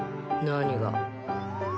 何が？